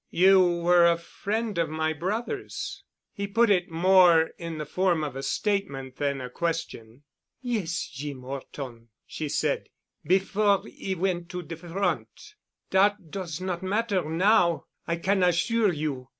"You were a friend of my brother's." He put it more in the form of a statement than a question. "Yes, Jeem 'Orton," she said, "before 'e went to de front. Dat does not matter now, I can assure you.